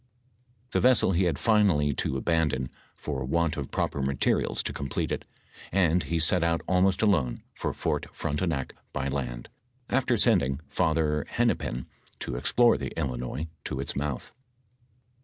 Tbe vessel be had finally to abandon for want of proper materials to complete it, and he set out almost alone for Fort Frontenac by land, after sending Father Hen nepin to explore tbe Illinois to its mouth.